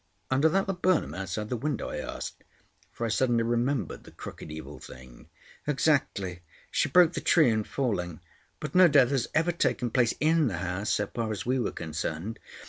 "Under that laburnum outside the window?" I asked, for I suddenly remembered the crooked evil thing. "Exactly. She broke the tree in falling. But no death has ever taken place in the house, so far as we were concerned.